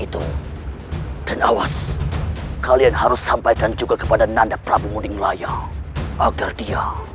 itu dan awas kalian harus sampaikan juga kepada nanda prabu muding layang agar dia